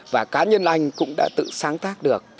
và cá nhân anh cũng đã tự sáng tác được